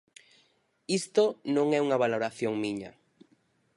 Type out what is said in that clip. Isto non é unha valoración miña.